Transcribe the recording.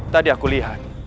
tadi aku lihat